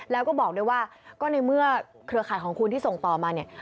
แล้วก็บอกด้วยว่าก็ในเมื่อเครือข่ายของคุณที่ส่งต่อมาเนี่ย